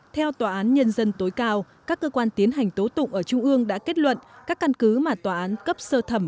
theo tòa án nhân dân tối cao các cơ quan tiến hành tố tụng ở trung ương đã kết luận các căn cứ mà tòa án cấp sơ thẩm